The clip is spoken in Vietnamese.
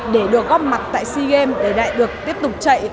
để được góp mặt tại sea games để lại được tiếp tục chạy